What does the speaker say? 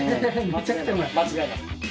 間違いない。